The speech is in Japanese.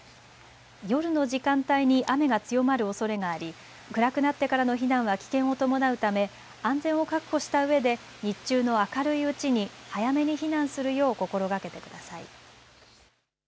夜の時間帯に雨が強まるおそれがあり暗くなってからの避難は危険を伴うため安全を確保したうえで日中の明るいうちに早めに避難するよう心がけてください。